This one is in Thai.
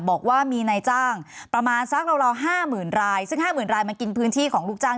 บอกว่ามีในจ้างประมาณสักเรารอห้าหมื่นรายซึ่งห้าหมื่นรายมันกินพื้นที่ของลูกจ้าง